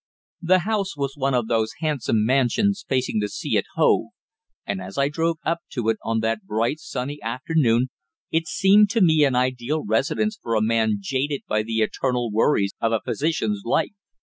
The house was one of those handsome mansions facing the sea at Hove, and as I drove up to it on that bright, sunny afternoon, it seemed to me an ideal residence for a man jaded by the eternal worries of a physician's life.